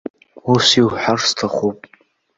Ус иуҳәар сҭахуп.